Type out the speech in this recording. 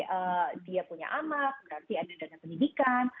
kalau misalnya dia punya amat berarti ada dana pendidikan